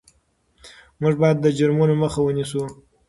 موږ باید د جرمونو مخه ونیسو.